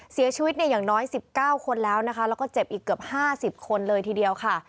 เสียชีวิตเนี่ยอย่างน้อย๑๙คนแล้วนะคะแล้วก็เจ็บอีกเกือบ๕๐คนเลยทีเดียวค่ะ